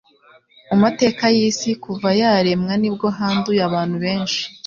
mu mateka y'isi.kuvayaremwa nibwo handuye abantu benshi